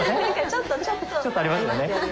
ちょっとちょっとありますよね。